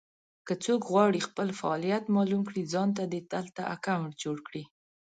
که څوک غواړي خپل فعالیت مالوم کړي ځانته دې دلته اکونټ جوړ کړي.